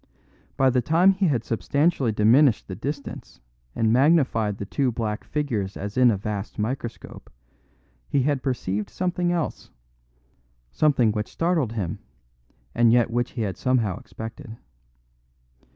By the time he had substantially diminished the distance and magnified the two black figures as in a vast microscope, he had perceived something else; something which startled him, and yet which he had somehow expected.